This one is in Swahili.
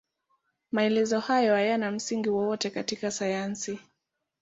Maelezo hayo hayana msingi wowote katika sayansi.